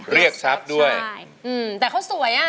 เรียกทรัพย์ด้วยใช่อืมแต่เขาสวยอ่ะ